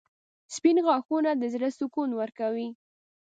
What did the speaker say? • سپین غاښونه د زړه سکون ورکوي.